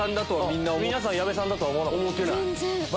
皆さん矢部さんだとは思わなかったですか。